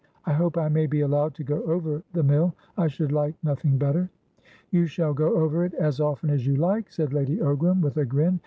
"I hope I may be allowed to go over the mill; I should like nothing better." "You shall go over it as often as you like," said Lady Ogram, with a grin.